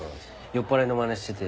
酔っぱらいのまねしてて。